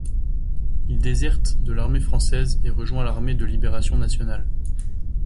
Il déserte de l'Armée française et rejoint l'Armée de libération nationale.